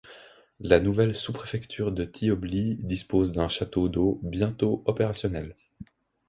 La nouvelle sous-préfecture de Tiobli dispose d'un château d'eau bientôt opérationnel.